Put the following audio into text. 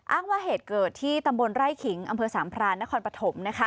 ว่าเหตุเกิดที่ตำบลไร่ขิงอำเภอสามพรานนครปฐม